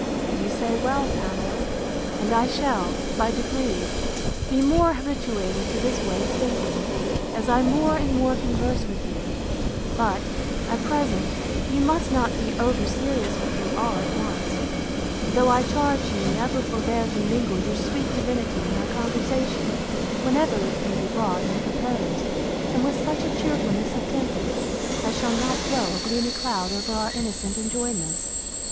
You say well, Pamela; and I shall, by degrees, be more habituated to this way of thinking, as I more and more converse with you; but, at present, you must not be over serious with me all at once: though I charge you never forbear to mingle your sweet divinity in our conversation, whenever it can be brought in a propos, and with such a cheerfulness of temper, as shall not throw a gloomy cloud over our innocent enjoyments.